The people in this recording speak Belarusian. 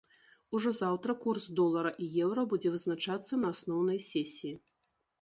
Ужо заўтра курс долара і еўра будзе вызначацца на асноўнай сесіі.